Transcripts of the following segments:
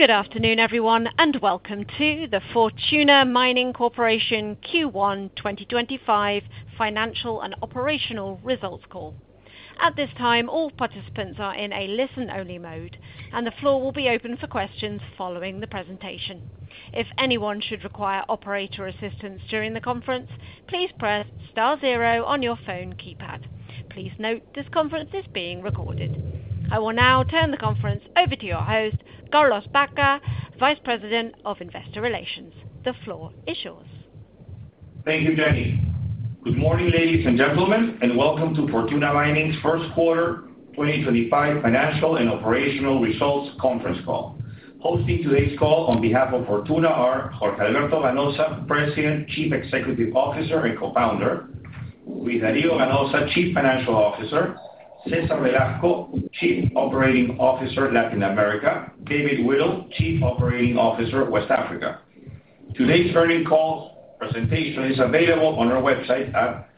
Good afternoon, everyone, and welcome to the Fortuna Mining Q1 2025 Financial And Operational Results Call. At this time, all participants are in a listen-only mode, and the floor will be open for questions following the presentation. If anyone should require operator assistance during the conference, please press star zero on your phone keypad. Please note this conference is being recorded. I will now turn the conference over to your host, Carlos Baca, Vice President of Investor Relations. The floor is yours. Thank you, Jenny. Good morning, ladies and gentlemen, and welcome to Fortuna Mining's First Quarter 2025 Financial And Operational Results Conference Call. Hosting today's call on behalf of Fortuna are Jorge Alberto Ganoza, President, Chief Executive Officer and Co-founder; Luis Dario Ganoza, Chief Financial Officer; Cesar Velasco, Chief Operating Officer, Latin America; David Whittle, Chief Operating Officer, West Africa. Today's earning call presentation is available on our website at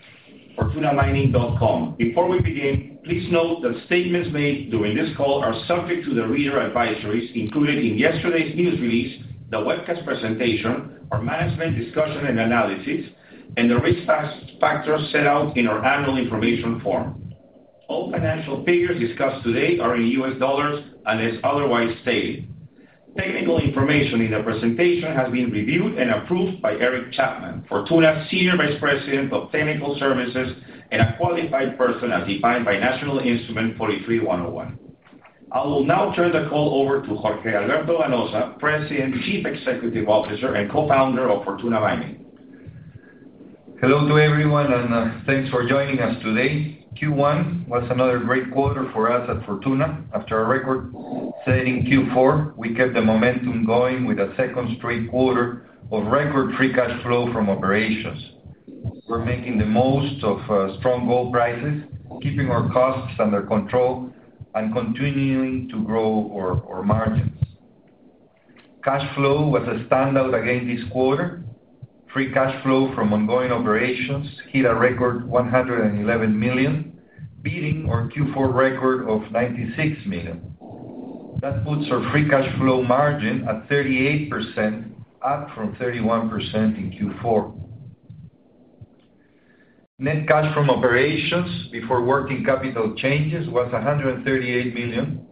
fortunamining.com. Before we begin, please note that statements made during this call are subject to the reader advisories included in yesterday's news release, the webcast presentation, our management discussion and analysis, and the risk factors set out in our annual information form. All financial figures discussed today are in US dollars unless otherwise stated. Technical information in the presentation has been reviewed and approved by Eric Chapman, Fortuna's Senior Vice President of Technical Services and a qualified person as defined by National Instrument 43-101. I will now turn the call over to Jorge Alberto Ganoza, President, Chief Executive Officer, and Co-founder of Fortuna Mining. Hello to everyone, and thanks for joining us today. Q1 was another great quarter for us at Fortuna. After our record-setting Q4, we kept the momentum going with a second straight quarter of record free cash flow from operations. We're making the most of strong gold prices, keeping our costs under control, and continuing to grow our margins. Cash flow was a standout again this quarter. Free cash flow from ongoing operations hit a record $111 million, beating our Q4 record of $96 million. That puts our free cash flow margin at 38%, up from 31% in Q4. Net cash from operations before working capital changes was $138 million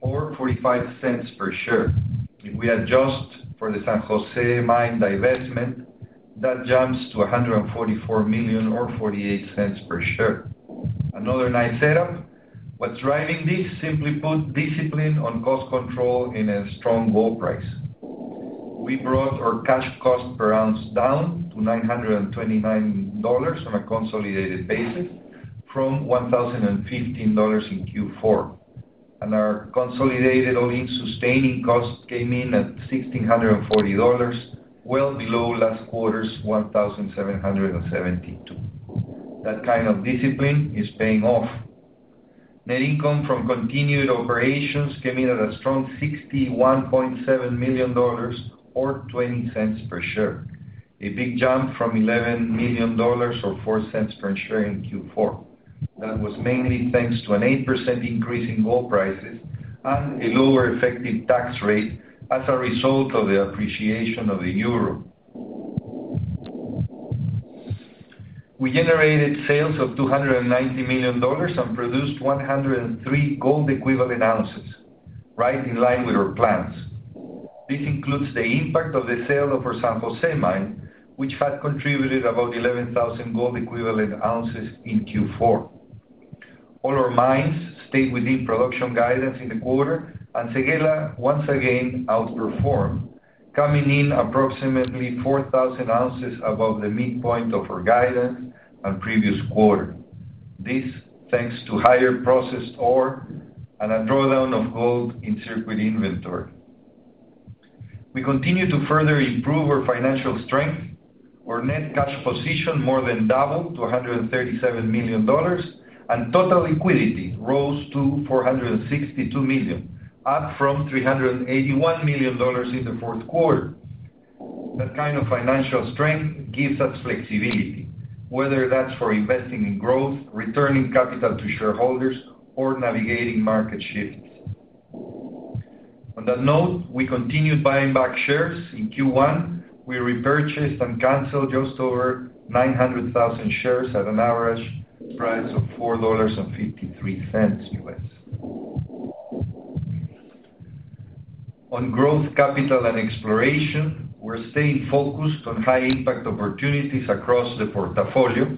or $0.45 per share. If we adjust for the San Jose Mine divestment, that jumps to $144 million or $0.48 per share. Another nice setup. What's driving this, simply put, discipline on cost control and a strong gold price. We brought our cash cost per ounce down to $929 on a consolidated basis from $1,015 in Q4, and our consolidated all-in sustaining cost came in at $1,640, well below last quarter's $1,772. That kind of discipline is paying off. Net income from continued operations came in at a strong $61.7 million or $0.20 per share, a big jump from $11 million or $0.04 per share in Q4. That was mainly thanks to an 8% increase in gold prices and a lower effective tax rate as a result of the appreciation of the euro. We generated sales of $290 million and produced 103,000 gold equivalent ounces, right in line with our plans. This includes the impact of the sale of our San Jose Mine, which had contributed about 11,000 gold equivalent ounces in Q4. All our mines stayed within production guidance in the quarter, and Séguéla once again outperformed, coming in approximately 4,000 ounces above the midpoint of our guidance and previous quarter. This is thanks to higher processed ore and a drawdown of gold in circuit inventory. We continue to further improve our financial strength. Our net cash position more than doubled to $137 million, and total liquidity rose to $462 million, up from $381 million in the fourth quarter. That kind of financial strength gives us flexibility, whether that's for investing in growth, returning capital to shareholders, or navigating market shifts. On that note, we continued buying back shares in Q1. We repurchased and canceled just over 900,000 shares at an average price of $4.53. On growth, capital, and exploration, we're staying focused on high-impact opportunities across the portfolio.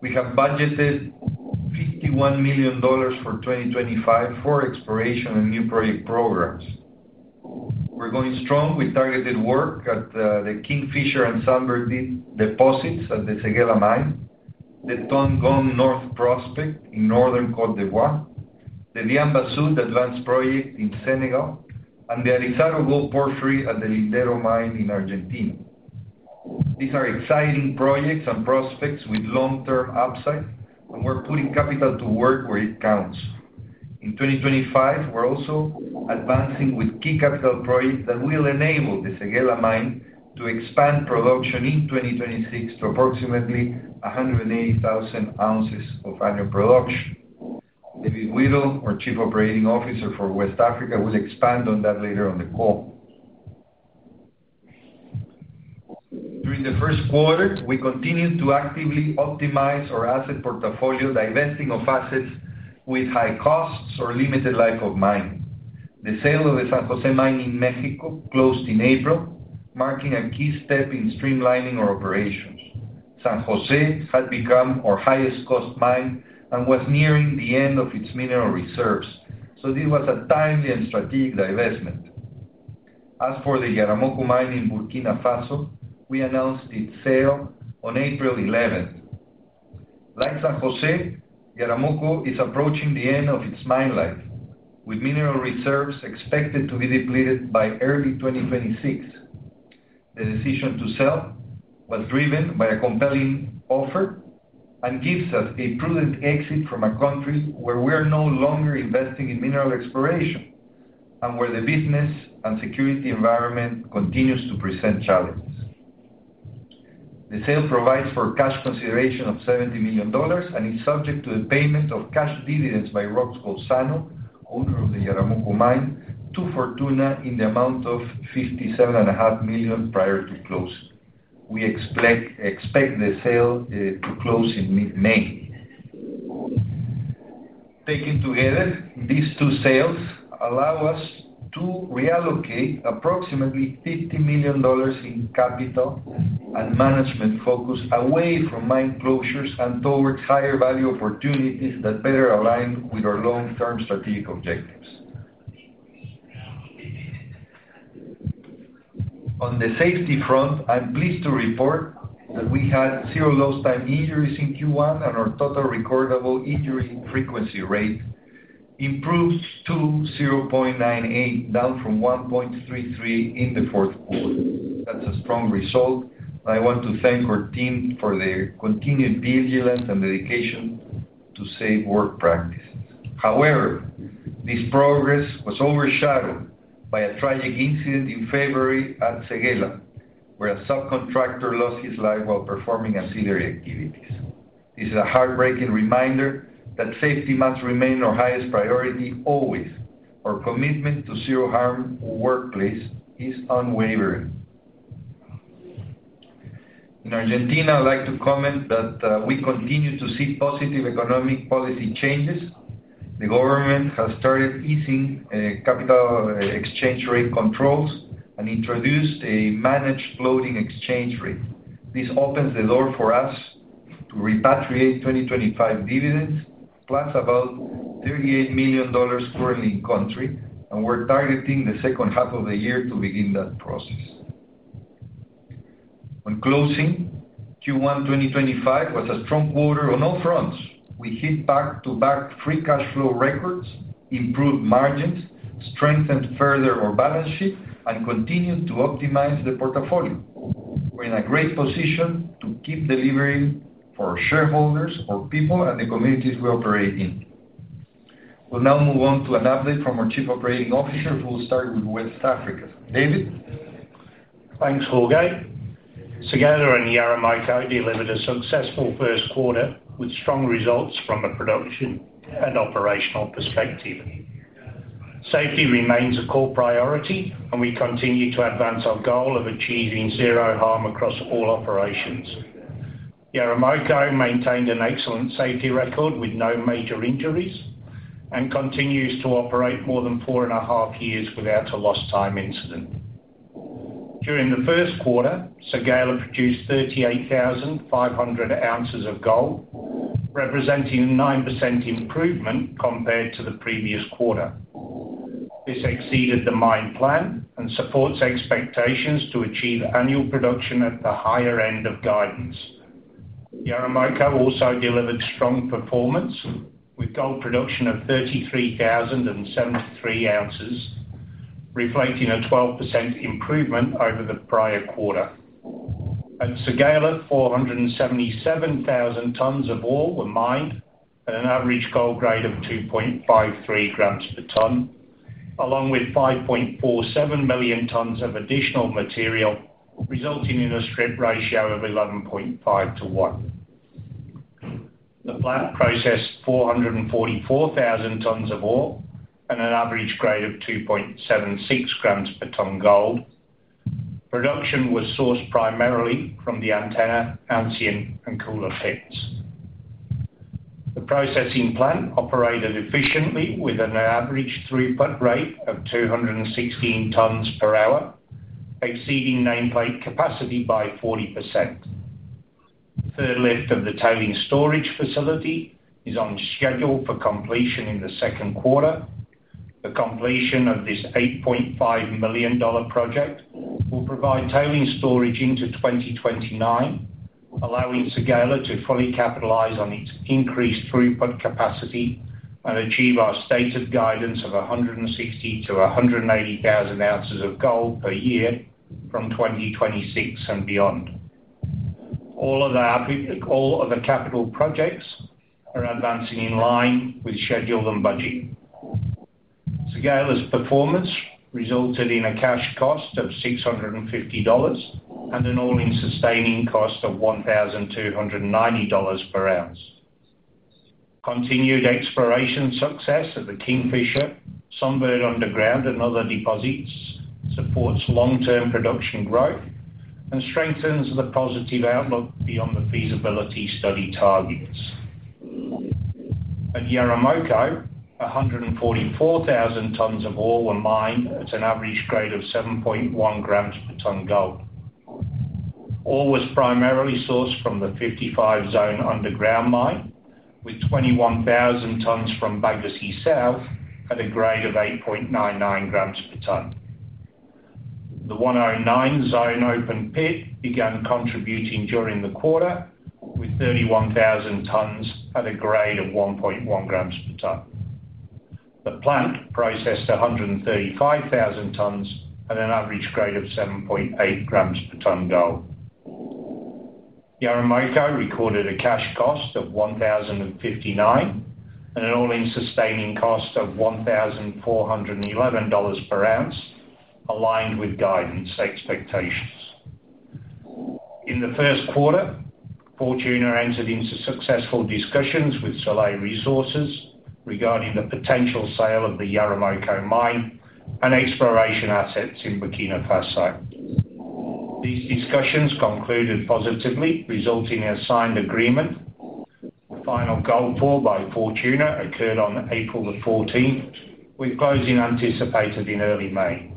We have budgeted $51 million for 2025 for exploration and new project programs. We're going strong with targeted work at the Kingfisher and Sunbird Deposits at the Séguéla Mine, the Tongon North Prospect in northern Côte d'Ivoire, the Diambasou Advanced Project in Senegal, and the Elizardo Gold Porphyry at the Lindero Mine in Argentina. These are exciting projects and prospects with long-term upside, and we're putting capital to work where it counts. In 2025, we're also advancing with key capital projects that will enable the Séguéla Mine to expand production in 2026 to approximately 180,000 ounces of annual production. David Whittle, our Chief Operating Officer for West Africa, will expand on that later on the call. During the first quarter, we continued to actively optimize our asset portfolio, divesting of assets with high costs or limited life of mining. The sale of the San Jose Mine in Mexico closed in April, marking a key step in streamlining our operations. San Jose had become our highest-cost mine and was nearing the end of its mineral reserves, so this was a timely and strategic divestment. As for the Yaramoko Mine in Burkina Faso, we announced its sale on April 11th. Like San Jose, Yaramoko is approaching the end of its mine life, with mineral reserves expected to be depleted by early 2026. The decision to sell was driven by a compelling offer and gives us a prudent exit from a country where we are no longer investing in mineral exploration and where the business and security environment continues to present challenges. The sale provides for cash consideration of $70 million and is subject to the payment of cash dividends by Roxgold Inc., owner of the Yaramoko Mine, to Fortuna in the amount of $57.5 million prior to closing. We expect the sale to close in mid-May. Taken together, these two sales allow us to reallocate approximately $50 million in capital and management focus away from mine closures and towards higher value opportunities that better align with our long-term strategic objectives. On the safety front, I'm pleased to report that we had zero lost time injuries in Q1, and our total recordable injury frequency rate improved to 0.98, down from 1.33 in the fourth quarter. That's a strong result, and I want to thank our team for their continued vigilance and dedication to safe work practices. However, this progress was overshadowed by a tragic incident in February at Séguéla, where a subcontractor lost his life while performing ancillary activities. This is a heartbreaking reminder that safety must remain our highest priority always. Our commitment to zero harm workplace is unwavering. In Argentina, I'd like to comment that we continue to see positive economic policy changes. The government has started easing capital exchange rate controls and introduced a managed floating exchange rate. This opens the door for us to repatriate 2025 dividends, plus about $38 million currently in country, and we're targeting the second half of the year to begin that process. On closing, Q1 2025 was a strong quarter on all fronts. We hit back-to-back free cash flow records, improved margins, strengthened further our balance sheet, and continued to optimize the portfolio. We're in a great position to keep delivering for shareholders, for people, and the communities we operate in. We'll now move on to an update from our Chief Operating Officer, who will start with West Africa. David? Thanks, Jorge. Séguéla and Yaramoko delivered a successful first quarter with strong results from a production and operational perspective. Safety remains a core priority, and we continue to advance our goal of achieving zero harm across all operations. Yaramoko maintained an excellent safety record with no major injuries and continues to operate more than four and a half years without a lost time incident. During the first quarter, Séguéla produced 38,500 ounces of gold, representing a 9% improvement compared to the previous quarter. This exceeded the mine plan and supports expectations to achieve annual production at the higher end of guidance. Yaramoko also delivered strong performance with gold production of 33,073 ounces, reflecting a 12% improvement over the prior quarter. At Séguéla, 477,000 tons of ore were mined at an average gold grade of 2.53 g/t, along with 5.47 Mt of additional material, resulting in a strip ratio of 11.5 to 1. The plant processed 444,000 tons of ore at an average grade of 2.76 g/t gold. Production was sourced primarily from the Antenna, Ancien, and Koula pits. The processing plant operated efficiently with an average throughput rate of 216 t/h, exceeding nameplate capacity by 40%. The third lift of the tailings storage facility is on schedule for completion in the second quarter. The completion of this $8.5 million project will provide tailings storage into 2029, allowing Séguéla to fully capitalize on its increased throughput capacity and achieve our stated guidance of 160,000-180,000 ounces of gold per year from 2026 and beyond. All of the capital projects are advancing in line with schedule and budget. Séguéla's performance resulted in a cash cost of $650 and an all-in sustaining cost of $1,290 per ounce. Continued exploration success at the Kingfisher, Sunbird Underground, and other deposits supports long-term production growth and strengthens the positive outlook beyond the feasibility study targets. At Yaramoko, 144,000 tons of ore were mined at an average grade of 7.1 grams per ton gold. Ore was primarily sourced from the 55 Zone underground mine, with 21,000 tons from Bagassi South at a grade of 8.99 g/t. The 109 Zone open pit began contributing during the quarter, with 31,000 tons at a grade of 1.1 g/t. The plant processed 135,000 tons at an average grade of 7.8 g/t gold. Yaramoko recorded a cash cost of $1,059 and an all-in sustaining cost of $1,411 per ounce, aligned with guidance expectations. In the first quarter, Fortuna entered into successful discussions with Soleil Resources regarding the potential sale of the Yaramoko mine and exploration assets in Burkina Faso. These discussions concluded positively, resulting in a signed agreement. The final gold pour by Fortuna occurred on April the 14th, with closing anticipated in early May.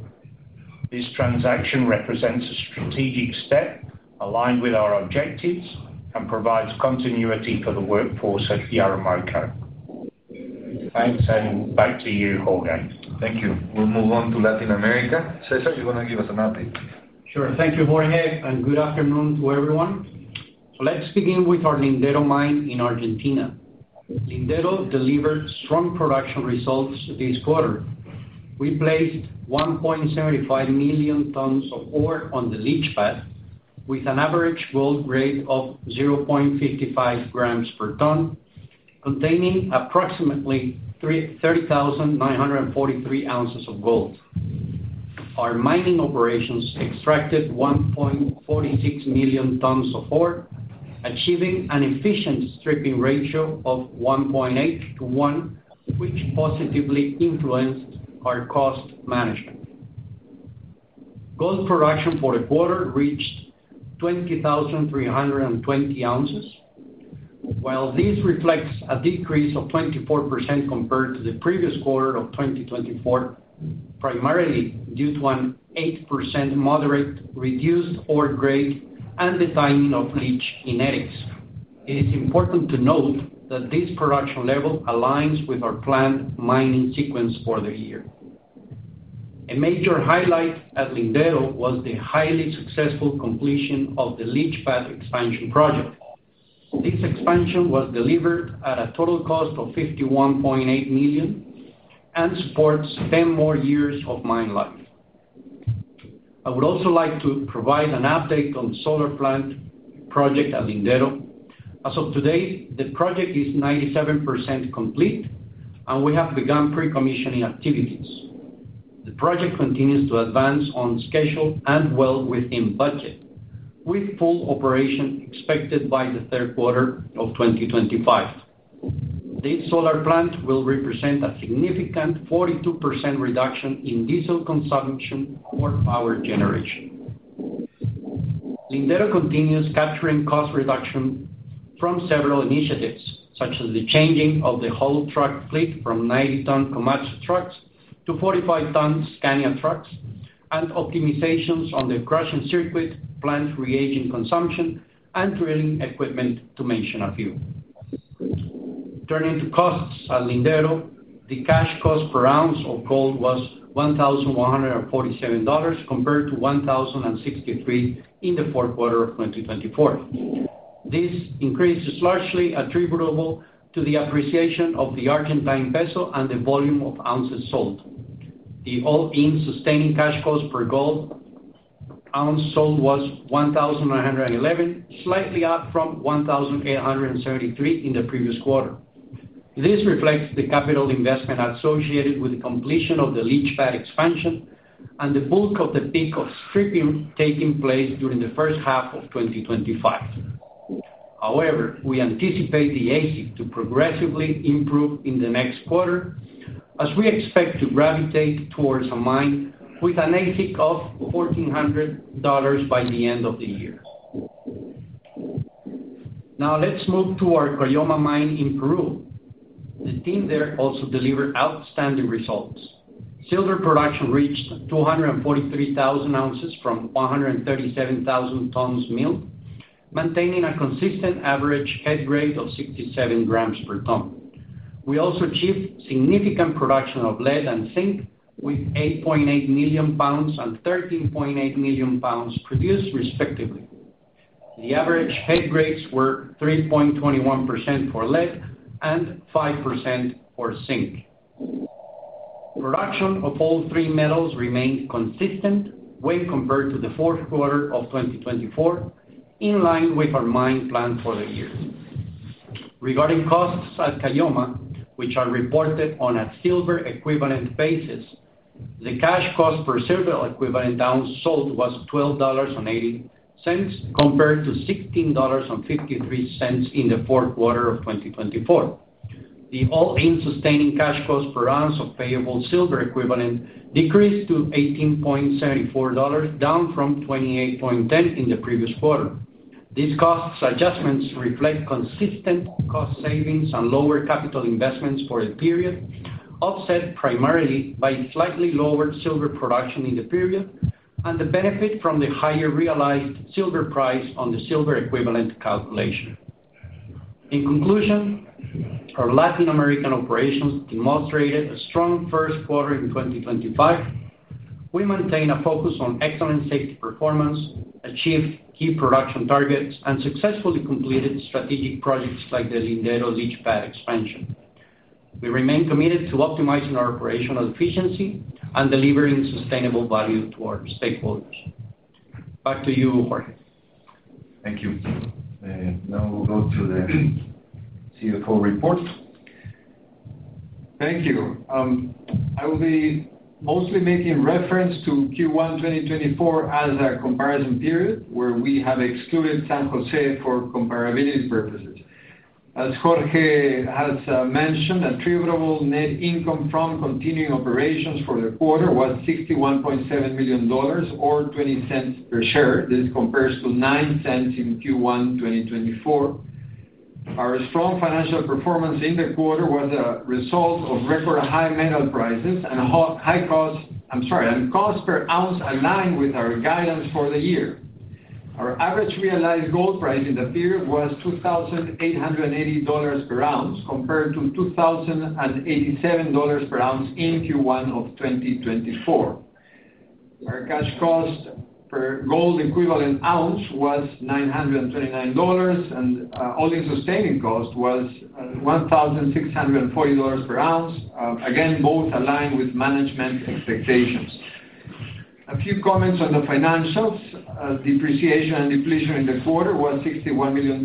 This transaction represents a strategic step aligned with our objectives and provides continuity for the workforce at Yaramoko. Thanks, and back to you, Jorge. Thank you. We'll move on to Latin America. Cesar, you're going to give us an update. Sure. Thank you, Jorge, and good afternoon to everyone. Let's begin with our Lindero mine in Argentina. Lindero delivered strong production results this quarter. We placed 1.75 Mt of ore on the leach pad, with an average gold grade of 0.55 g/t, containing approximately 30,943 oz of gold. Our mining operations extracted 1.46 Mt of ore, achieving an efficient stripping ratio of 1.8 to 1, which positively influenced our cost management. Gold production for the quarter reached 20,320 oz, while this reflects a decrease of 24% compared to the previous quarter of 2024, primarily due to an 8% moderate reduced ore grade and the timing of leach kinetics. It is important to note that this production level aligns with our planned mining sequence for the year. A major highlight at Lindero was the highly successful completion of the leach pad expansion project. This expansion was delivered at a total cost of $51.8 million and supports 10 more years of mine life. I would also like to provide an update on the solar plant project at Lindero. As of today, the project is 97% complete, and we have begun pre-commissioning activities. The project continues to advance on schedule and well within budget, with full operation expected by the third quarter of 2025. This solar plant will represent a significant 42% reduction in diesel consumption for power generation. Lindero continues capturing cost reduction from several initiatives, such as the changing of the haul truck fleet from 90-ton Komatsu trucks to 45-ton Scania trucks and optimizations on the crushing circuit, plant reagent consumption, and drilling equipment, to mention a few. Turning to costs at Lindero, the cash cost per ounce of gold was $1,147 compared to $1,063 in the fourth quarter of 2024. This increase is largely attributable to the appreciation of the Argentine peso and the volume of ounces sold. The all-in sustaining cash cost per gold ounce sold was $1,911, slightly up from $1,873 in the previous quarter. This reflects the capital investment associated with the completion of the leach pad expansion and the bulk of the peak of stripping taking place during the first half of 2025. However, we anticipate the AISC to progre`ssively improve in the next quarter, as we expect to gravitate towards a mine with an AISC of $1,400 by the end of the year. Now, let's move to our Caylloma mine in Peru. The team there also delivered outstanding results. Silver production reached 243,000 oz from 137,000 tons milled, maintaining a consistent average head grade of 67 g/t. We also achieved significant production of lead and zinc, with 8.8 million pounds and 13.8 million pounds produced, respectively. The average head grades were 3.21% for lead and 5% for zinc. Production of all three metals remained consistent when compared to the fourth quarter of 2024, in line with our mine plan for the year. Regarding costs at Caylloma, which are reported on a silver equivalent basis, the cash cost per silver equivalent ounce sold was $12.80 compared to $16.53 in the fourth quarter of 2024. The all-in sustaining cash cost per ounce of payable silver equivalent decreased to $18.74, down from $28.10 in the previous quarter. These cost adjustments reflect consistent cost savings and lower capital investments for the period, offset primarily by slightly lower silver production in the period and the benefit from the higher realized silver price on the silver equivalent calculation. In conclusion, our Latin American operations demonstrated a strong first quarter in 2025. We maintain a focus on excellent safety performance, achieved key production targets, and successfully completed strategic projects like the Lindero leach pad expansion. We remain committed to optimizing our operational efficiency and delivering sustainable value to our stakeholders. Back to you, Jorge. Thank you. Now we'll go to the CFO report. Thank you. I will be mostly making reference to Q1 2024 as a comparison period, where we have excluded San Jose for comparability purposes. As Jorge has mentioned, attributable net income from continuing operations for the quarter was $61.7 million or $0.20 per share. This compares to $0.09 in Q1 2024. Our strong financial performance in the quarter was a result of record high metal prices and high costs, I'm sorry, and cost per ounce aligned with our guidance for the year. Our average realized gold price in the period was $2,880 per ounce, compared to $2,087 per ounce in Q1 of 2024. Our cash cost per gold equivalent ounce was $929, and all-in sustaining cost was $1,640 per ounce. Again, both aligned with management expectations. A few comments on the financials. Depreciation and depletion in the quarter was $61 million,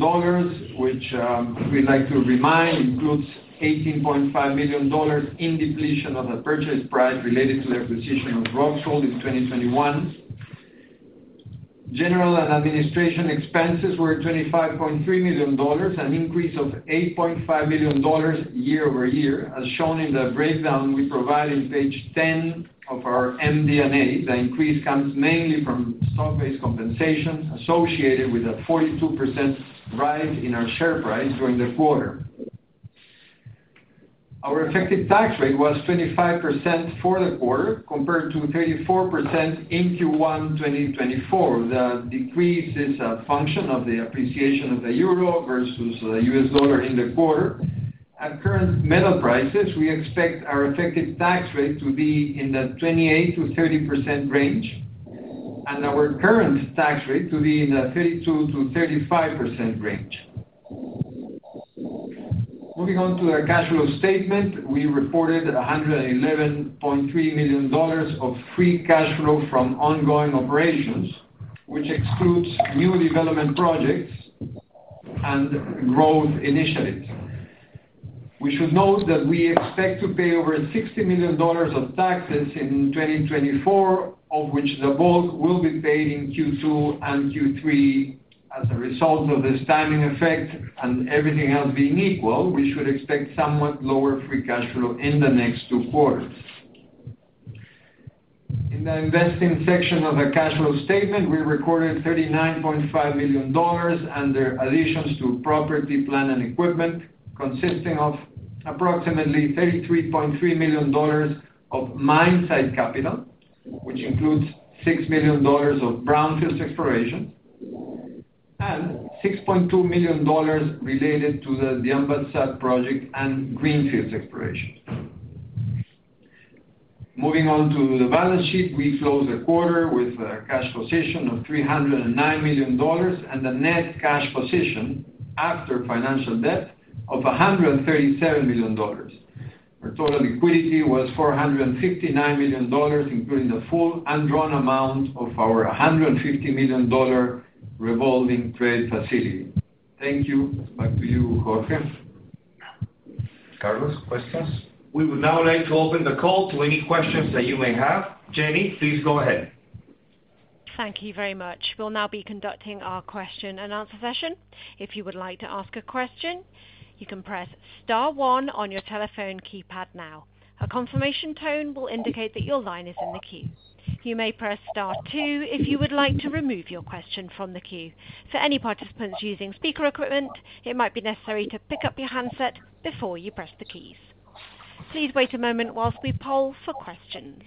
which we'd like to remind includes $18.5 million in depletion of the purchase price related to the acquisition of Roxgold in 2021. General and administration expenses were $25.3 million, an increase of $8.5 million year over year, as shown in the breakdown we provide in page 10 of our MD&A. The increase comes mainly from stock-based compensation associated with a 42% rise in our share price during the quarter. Our effective tax rate was 25% for the quarter, compared to 34% in Q1 2024. The decrease is a function of the appreciation of the euro versus the US dollar in the quarter. At current metal prices, we expect our effective tax rate to be in the 28%-30% range and our current tax rate to be in the 32%-35% range. Moving on to our cash flow statement, we reported $111.3 million of free cash flow from ongoing operations, which excludes new development projects and growth initiatives. We should note that we expect to pay over $60 million of taxes in 2024, of which the bulk will be paid in Q2 and Q3. As a result of the stymie effect and everything else being equal, we should expect somewhat lower free cash flow in the next two quarters. In the investing section of the cash flow statement, we recorded $39.5 million under additions to property, plant, and equipment, consisting of approximately $33.3 million of mine site capital, which includes $6 million of brownfields exploration and $6.2 million related to the Diambasou project and greenfields exploration. Moving on to the balance sheet, we close the quarter with a cash position of $309 million and a net cash position after financial debt of $137 million. Our total liquidity was $459 million, including the full undrawn amount of our $150 million revolving trade facility. Thank you. Back to you, Jorge. Carlos, questions? We would now like to open the call to any questions that you may have. Jenny, please go ahead. Thank you very much. We'll now be conducting our question and answer session. If you would like to ask a question, you can press Star 1 on your telephone keypad now. A confirmation tone will indicate that your line is in the queue. You may press Star 2 if you would like to remove your question from the queue. For any participants using speaker equipment, it might be necessary to pick up your handset before you press the keys. Please wait a moment whilst we poll for questions.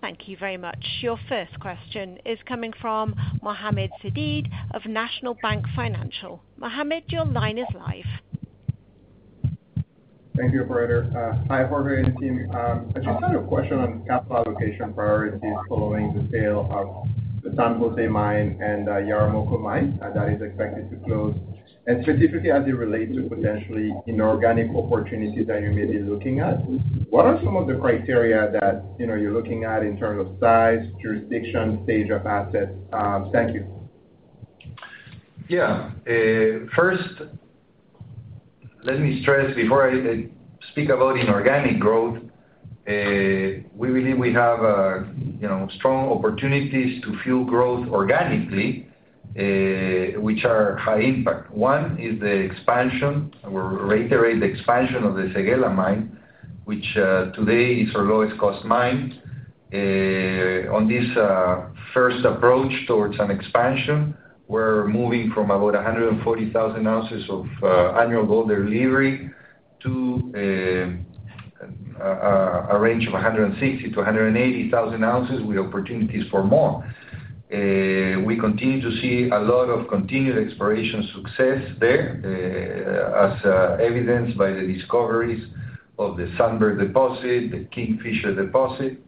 Thank you very much. Your first question is coming from Mohammed Siddiq of National Bank Financial. Mohammed, your line is live. Thank you, Jorge. Hi, Jorge and the team. I just had a question on capital allocation priorities following the sale of the San Jose Mine and Yaramoko Mine that is expected to close, and specifically as it relates to potentially inorganic opportunities that you may be looking at. What are some of the criteria that you're looking at in terms of size, jurisdiction, stage of assets? Thank you. Yeah. First, let me stress before I speak about inorganic growth, we believe we have strong opportunities to fuel growth organically, which are high impact. One is the expansion. I will reiterate the expansion of the Séguéla Mine, which today is our lowest cost mine. On this first approach towards an expansion, we're moving from about 140,000 ounces of annual gold delivery to a range of 160,000-180,000 ounces, with opportunities for more. We continue to see a lot of continued exploration success there, as evidenced by the discoveries of the Sunbird Deposit, the Kingfisher Deposit,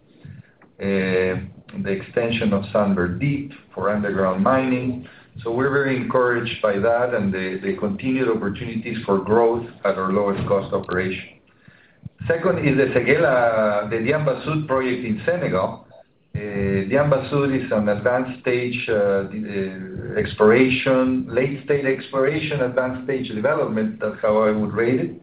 the extension of Sunbird Deep for underground mining. So we're very encouraged by that and the continued opportunities for growth at our lowest cost operation. Second is the Séguéla, the Diambasou project in Senegal. Diambasou is an advanced stage exploration, late-stage exploration, advanced stage development, that's how I would rate it.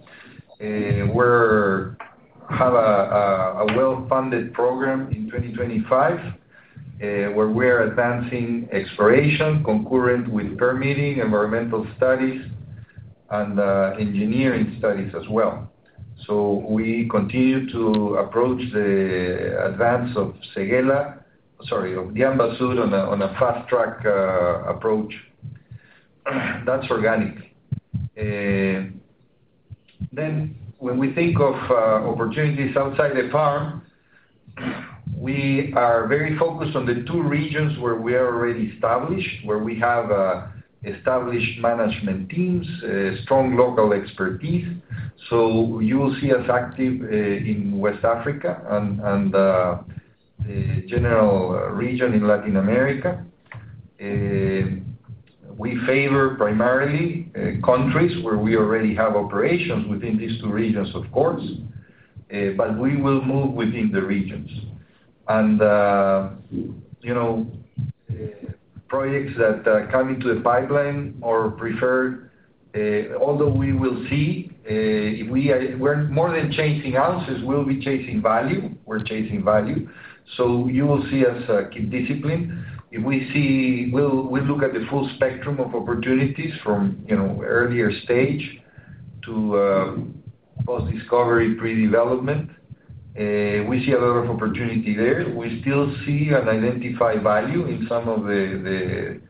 We have a well-funded program in 2025 where we are advancing exploration concurrent with permitting, environmental studies, and engineering studies as well. We continue to approach the advance of Séguéla, sorry, of Diambasou, on a fast track approach. That is organic. When we think of opportunities outside the firm, we are very focused on the two regions where we are already established, where we have established management teams, strong local expertise. You will see us active in West Africa and the general region in Latin America. We favor primarily countries where we already have operations within these two regions, of course, but we will move within the regions. Projects that are coming to the pipeline are preferred, although we will see if we are more than chasing ounces, we will be chasing value. We are chasing value. You will see us keep discipline. We'll look at the full spectrum of opportunities from earlier stage to post-discovery pre-development. We see a lot of opportunity there. We still see and identify value in some of the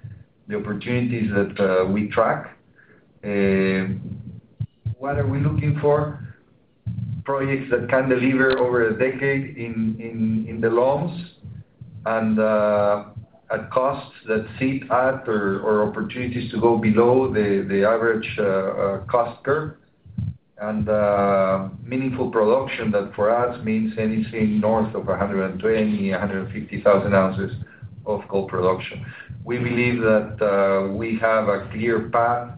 opportunities that we track. What are we looking for? Projects that can deliver over a decade in the loans and at costs that sit at or opportunities to go below the average cost curve, and meaningful production that for us means anything north of 120,000, 150,000 ounces of gold production. We believe that we have a clear path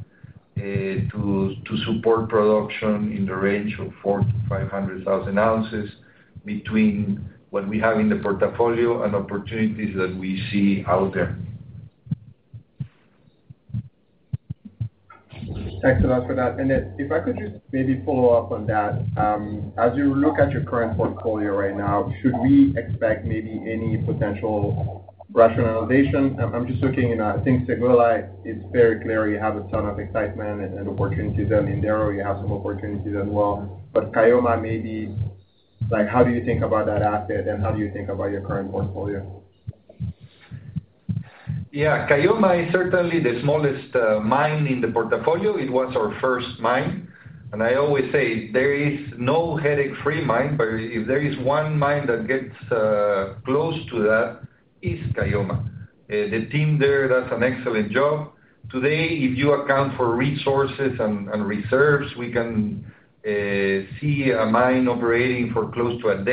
to support production in the range of 400,000-500,000 ounces between what we have in the portfolio and opportunities that we see out there. Thanks a lot for that. If I could just maybe follow up on that, as you look at your current portfolio right now, should we expect maybe any potential rationalization? I'm just looking at things like Séguéla. It's very clear you have a ton of excitement and opportunities in there. You have some opportunities as well. But Caylloma, maybe how do you think about that asset, and how do you think about your current portfolio? Yeah. Caylloma is certainly the smallest mine in the portfolio. It was our first mine. I always say there is no headache-free mine, but if there is one mine that gets close to that, it's Caylloma. The team there, that's an excellent job. Today, if you account for resources and reserves, we can see a mine operating for close to a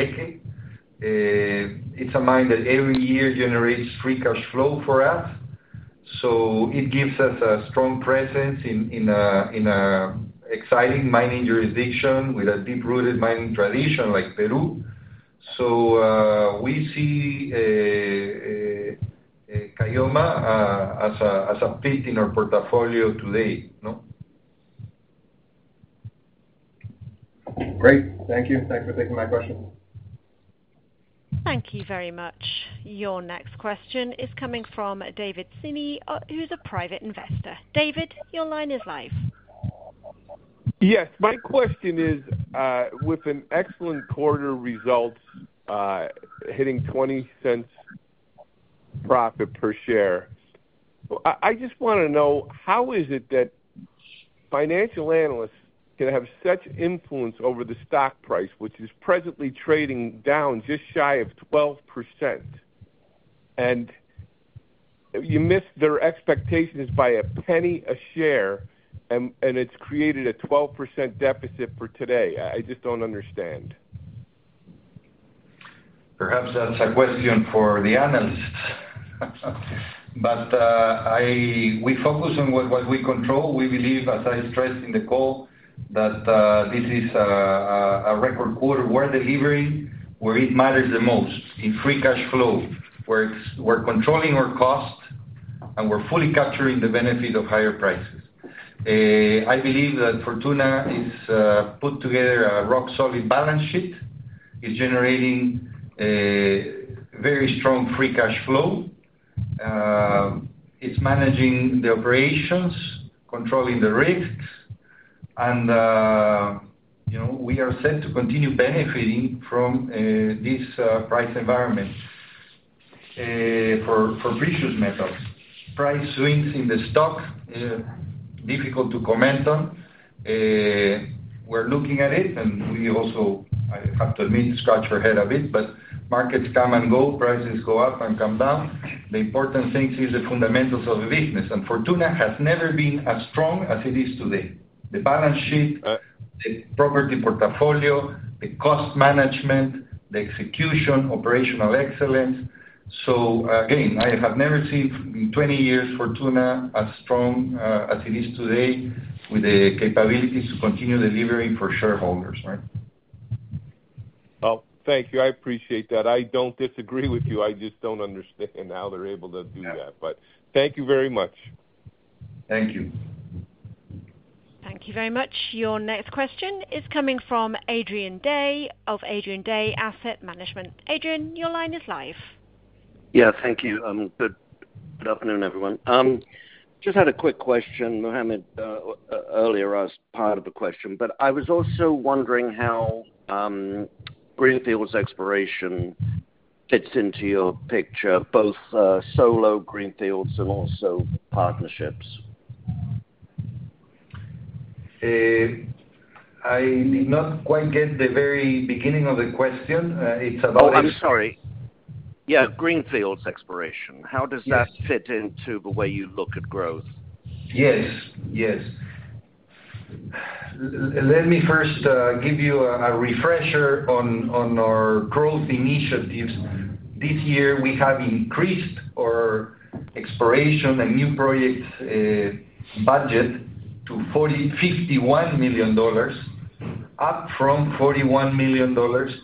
decade. It's a mine that every year generates free cash flow for us. It gives us a strong presence in an exciting mining jurisdiction with a deep-rooted mining tradition like Peru. We see Caylloma as a fit in our portfolio today. Great. Thank you. Thanks for taking my question. Thank you very much. Your next question is coming from David Sini, who's a private investor. David, your line is live. Yes. My question is, with an excellent quarter results hitting $0.20 profit per share, I just want to know how is it that financial analysts can have such influence over the stock price, which is presently trading down just shy of 12%, and you miss their expectations by a penny a share, and it's created a 12% deficit for today? I just don't understand. Perhaps that's a question for the analysts. But we focus on what we control. We believe, as I stressed in the call, that this is a record quarter where delivery, where it matters the most, in free cash flow. We're controlling our cost, and we're fully capturing the benefit of higher prices. I believe that Fortuna has put together a rock-solid balance sheet. It's generating very strong free cash flow. It's managing the operations, controlling the risks, and we are set to continue benefiting from this price environment for precious metals. Price swings in the stock, difficult to comment on. We're looking at it, and we also have to admit, scratch our head a bit, but markets come and go, prices go up and come down. The important thing is the fundamentals of the business. And Fortuna has never been as strong as it is today. The balance sheet, the property portfolio, the cost management, the execution, operational excellence. Again, I have never seen in 20 years Fortuna as strong as it is today with the capabilities to continue delivering for shareholders, right? Thank you. I appreciate that. I do not disagree with you. I just do not understand how they are able to do that. Thank you very much. Thank you. Thank you very much. Your next question is coming from Adrian Day of Adrian Day Asset Management. Adrian, your line is live. Yeah. Thank you. Good afternoon, everyone. Just had a quick question, Mohammed. Earlier, I was part of the question, but I was also wondering how greenfields exploration fits into your picture, both solo greenfields and also partnerships. I did not quite get the very beginning of the question. It's about. Oh, I'm sorry. Yeah. Greenfields exploration. How does that fit into the way you look at growth? Yes. Yes. Let me first give you a refresher on our growth initiatives. This year, we have increased our exploration and new project budget to $51 million, up from $41 million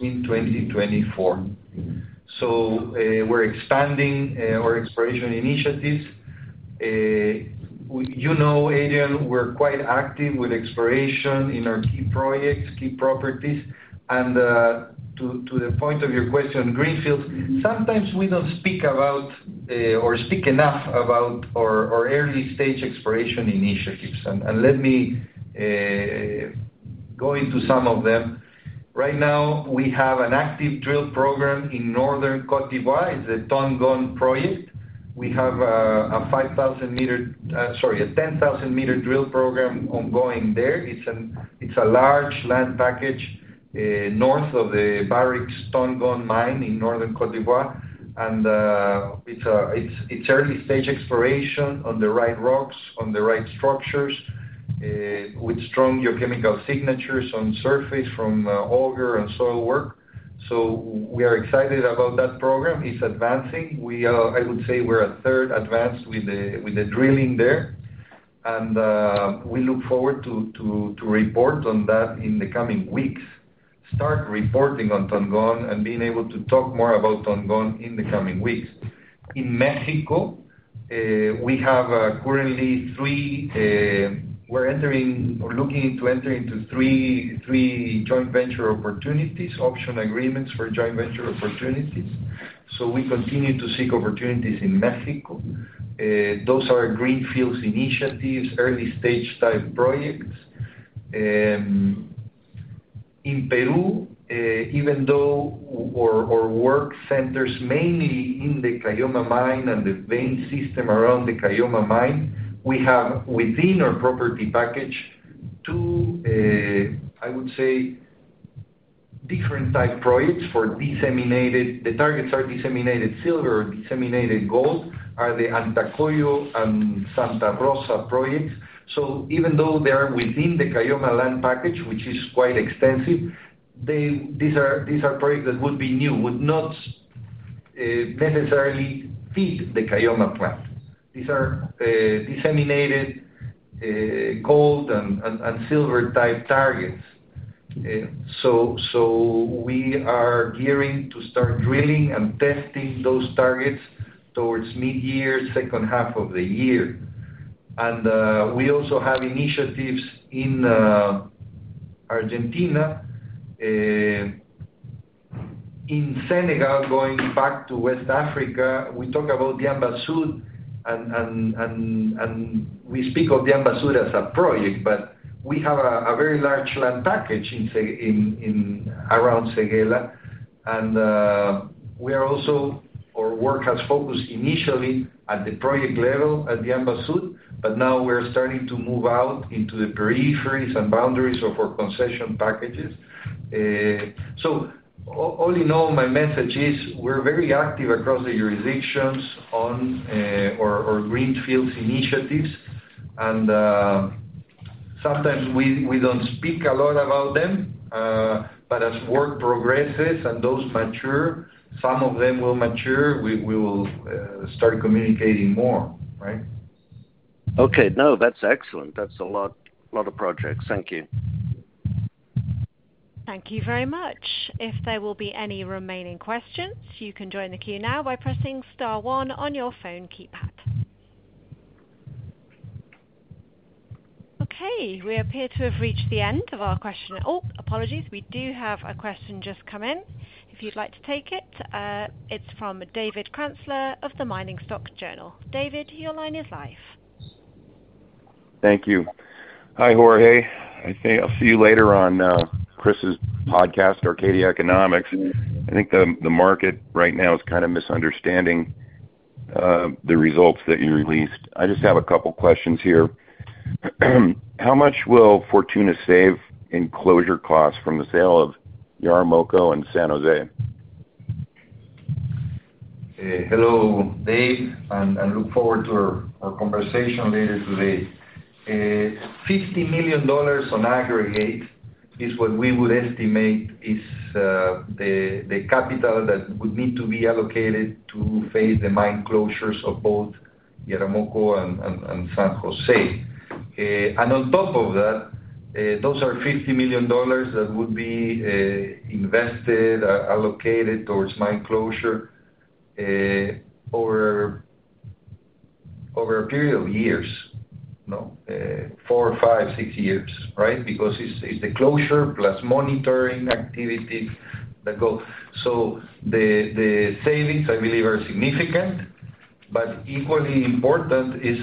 in 2024. We are expanding our exploration initiatives. You know, Adrian, we are quite active with exploration in our key projects, key properties. To the point of your question, greenfields, sometimes we do not speak about or speak enough about our early-stage exploration initiatives. Let me go into some of them. Right now, we have an active drill program in northern Côte d'Ivoire. It is the Tongon project. We have a 5,000 mtr, sorry, a 10,000 mtr drill program ongoing there. It is a large land package north of the Barrick Tongon mine in northern Côte d'Ivoire. It is early-stage exploration on the right rocks, on the right structures, with strong geochemical signatures on surface from auger and soil work. We are excited about that program. It's advancing. I would say we're a third advanced with the drilling there. We look forward to report on that in the coming weeks, start reporting on Tongon and being able to talk more about Tongon in the coming weeks. In Mexico, we have currently three, we're looking to enter into three joint venture opportunities, option agreements for joint venture opportunities. We continue to seek opportunities in Mexico. Those are greenfields initiatives, early-stage type projects. In Peru, even though our work centers mainly in the Caylloma mine and the vein system around the Caylloma mine, we have within our property package two, I would say, different type projects for disseminated, the targets are disseminated silver or disseminated gold, are the Antacoya and Santa Rosa projects. Even though they are within the Caylloma land package, which is quite extensive, these are projects that would be new, would not necessarily feed the Caylloma plant. These are disseminated gold and silver type targets. We are gearing to start drilling and testing those targets towards mid-year, second half of the year. We also have initiatives in Argentina. In Senegal, going back to West Africa, we talk about Diambasou, and we speak of Diambasou as a project, but we have a very large land package around Séguéla. Our work has focused initially at the project level at Diambasou, but now we are starting to move out into the peripheries and boundaries of our concession packages. All in all, my message is we are very active across the jurisdictions on our greenfields initiatives. Sometimes we do not speak a lot about them, but as work progresses and those mature, some of them will mature, we will start communicating more, right? Okay. No, that's excellent. That's a lot of projects. Thank you. Thank you very much. If there will be any remaining questions, you can join the queue now by pressing star one on your phone keypad. Okay. We appear to have reached the end of our question. Oh, apologies. We do have a question just come in if you'd like to take it. It's from David Kranzler of The Mining Stock Journal. David, your line is live. Thank you. Hi, Jorge. I'll see you later on Chris's podcast, Arcadia Economics. I think the market right now is kind of misunderstanding the results that you released. I just have a couple of questions here. How much will Fortuna save in closure costs from the sale of Yaramoko and San Jose? Hello, Dave. I look forward to our conversation later today. $50 million on aggregate is what we would estimate is the capital that would need to be allocated to face the mine closures of both Yaramoko and San Jose. On top of that, those are $50 million that would be invested, allocated towards mine closure over a period of years, four, five, six years, right? Because it is the closure plus monitoring activity that goes. The savings, I believe, are significant, but equally important is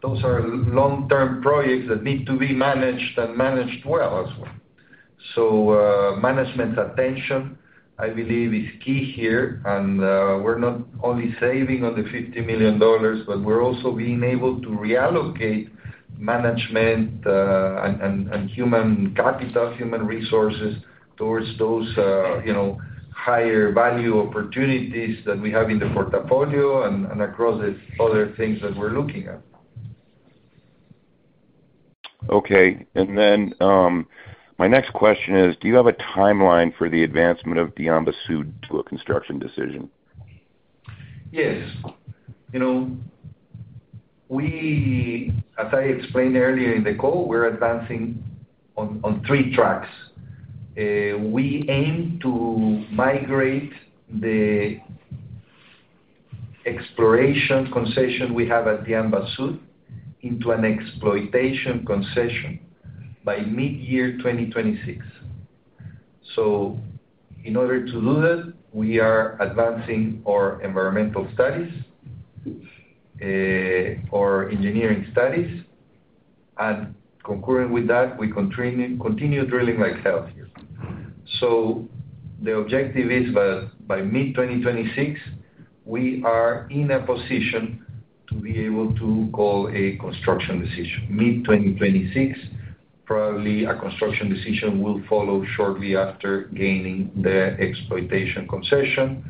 those are long-term projects that need to be managed and managed well as well. Management attention, I believe, is key here. We are not only saving on the $50 million, but we are also being able to reallocate management and human capital, human resources towards those higher-value opportunities that we have in the portfolio and across the other things that we are looking at. Okay. My next question is, do you have a timeline for the advancement of Diambasou to a construction decision? Yes. As I explained earlier in the call, we're advancing on three tracks. We aim to migrate the exploration concession we have at Diambasou into an exploitation concession by mid-year 2026. In order to do that, we are advancing our environmental studies, our engineering studies. Concurrent with that, we continue drilling like hell here. The objective is that by mid-2026, we are in a position to be able to call a construction decision. Mid-2026, probably a construction decision will follow shortly after gaining the exploitation concession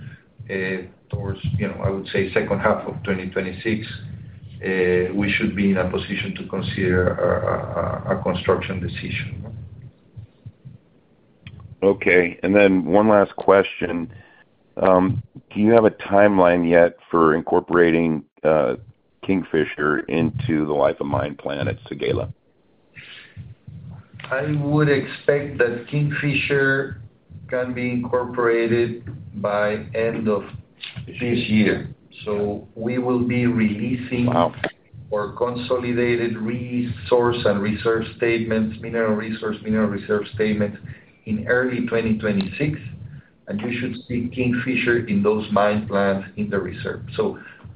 towards, I would say, second half of 2026, we should be in a position to consider a construction decision. Okay. And then one last question. Do you have a timeline yet for incorporating Kingfisher into the life of mine plan at Séguéla? I would expect that Kingfisher can be incorporated by end of this year. We will be releasing our consolidated resource and reserve statements, mineral resource, mineral reserve statements in early 2026. You should see Kingfisher in those mine plans in the reserve.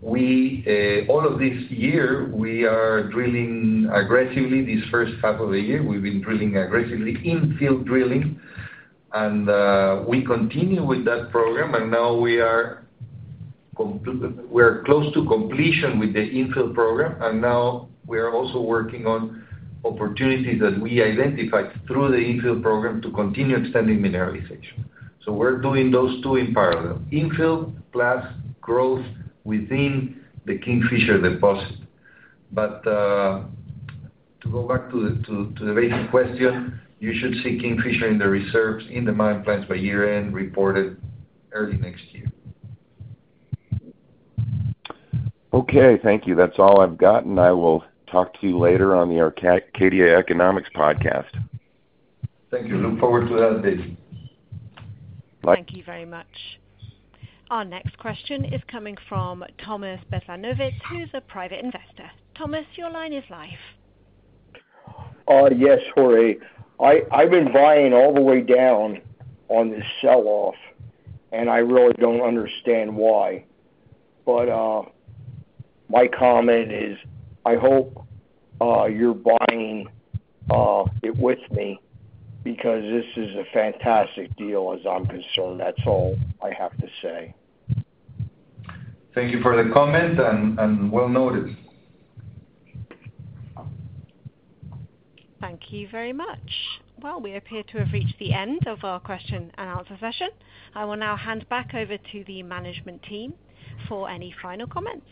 All of this year, we are drilling aggressively. This first half of the year, we've been drilling aggressively in infill drilling. We continue with that program. Now we are close to completion with the infill program. Now we are also working on opportunities that we identified through the infill program to continue extending mineralization. We are doing those two in parallel, infill plus growth within the Kingfisher deposit. To go back to the basic question, you should see Kingfisher in the reserves in the mine plans by year-end reported early next year. Okay. Thank you. That's all I've gotten. I will talk to you later on the Arcadia Economics podcast. Thank you. Look forward to that, Dave. Bye. Thank you very much. Our next question is coming from Thomas Bacanovitz, who's a private investor. Thomas, your line is live. Yes, Jorge. I've been buying all the way down on this sell-off, and I really don't understand why. My comment is I hope you're buying it with me because this is a fantastic deal as I'm concerned. That's all I have to say. Thank you for the comment and well noted. Thank you very much. We appear to have reached the end of our question and answer session. I will now hand back over to the management team for any final comments.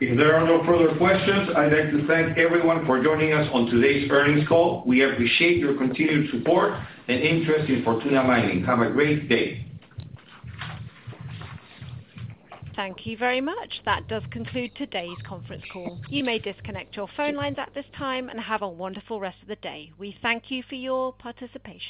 If there are no further questions, I'd like to thank everyone for joining us on today's earnings call. We appreciate your continued support and interest in Fortuna Mining. Have a great day. Thank you very much. That does conclude today's conference call. You may disconnect your phone lines at this time and have a wonderful rest of the day. We thank you for your participation.